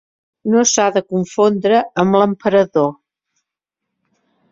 No s'ha de confondre amb l'emperador.